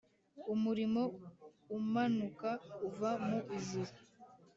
umurimo umanuka uva mu ijuru,